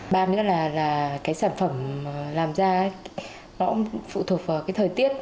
ba nữa là cái sản phẩm làm ra nó cũng phụ thuộc vào cái thời tiết